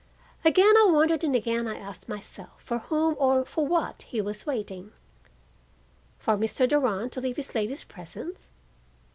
Again I wondered and again I asked myself for whom or for what he was waiting. For Mr. Durand to leave this lady's presence?